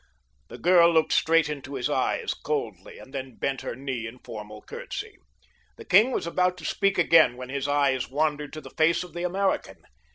The girl looked straight into his eyes, coldly, and then bent her knee in formal curtsy. The king was about to speak again when his eyes wandered to the face of the American.